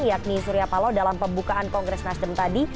yakni suriapalo dalam pembukaan kongres nasdem tadi